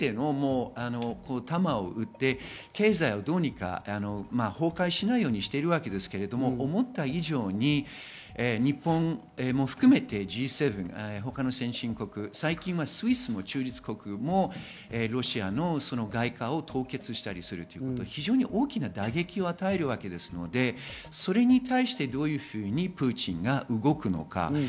できるだけ全ての弾を撃って経済をどうにか崩壊しないようにしているわけですが、思った以上に日本も含めてＧ７、他の先進国、最近はスイスも中立国もロシアの外貨を凍結したりするということは非常に大きな打撃を与えますのでそれに対してどういうふうにプーチンが動くのか。